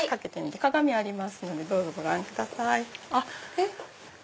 鏡ありますのでどうぞご覧ください。